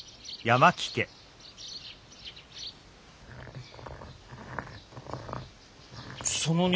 うん。